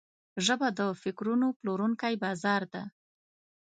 ژبه د فکرونو پلورونکی بازار ده